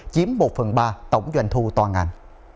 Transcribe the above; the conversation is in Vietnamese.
chiếm một phần ba tổng doanh thu toàn ngàn